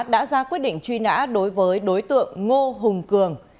đã ra quyết định truy nã đối với đối tượng ngô hùng cường